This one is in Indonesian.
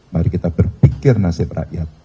mari kita berpikir nasib rakyat